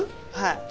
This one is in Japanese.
はい